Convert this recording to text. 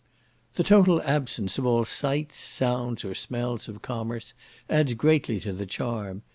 The total absence of all sights, sounds, or smells of commerce, adds greatly to the charm.